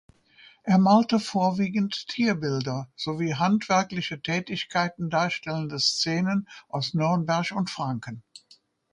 Er malte vorwiegend Tierbilder sowie handwerkliche Tätigkeiten darstellende Szenen aus Nürnberg und Franken.